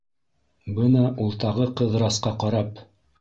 Бына ул тағы, Ҡыҙырасҡа ҡарап: